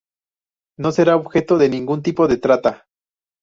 No será objeto de ningún tipo de trata.